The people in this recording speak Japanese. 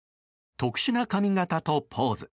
特殊な髪形とポーズ。